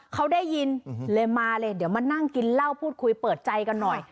เขาได้ยินเลยมาเลยเดี๋ยวมานั่งกินเหล้าพูดคุยเปิดใจกันหน่อย